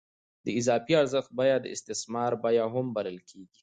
د اضافي ارزښت بیه د استثمار بیه هم بلل کېږي